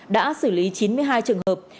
đã xử lý chín mươi hai trường hợp